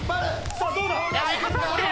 さぁどうだ